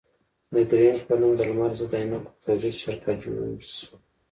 د ګرېنټ په نوم د لمر ضد عینکو تولید شرکت جوړ شو.